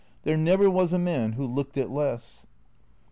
There never was a man who looked it less."